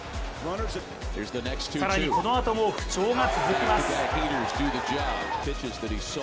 更にこのあとも不調が続きます。